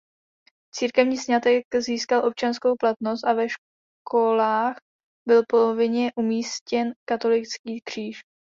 Církevní sňatek získal občanskou platnost a ve školách byl povinně umístěn katolický kříž.